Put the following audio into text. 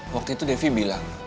waktu itu devi bilang